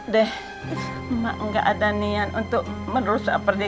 dek emak tidak ada niat untuk merusak perjalanan